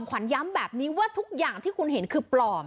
ขวัญย้ำแบบนี้ว่าทุกอย่างที่คุณเห็นคือปลอม